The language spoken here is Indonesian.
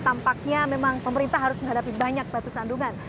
tampaknya memang pemerintah harus menghadapi banyak batu sandungan